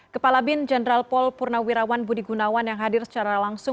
kepala bin jenderal paul purnawirawan budi gunawan yang hadir secara langsung